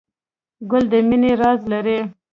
ګل د مینې راز لري.